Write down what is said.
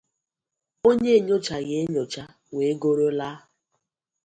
onye enyochaghị enyocha wee goro laa